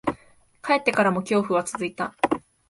帰ってからも、恐怖は続いた。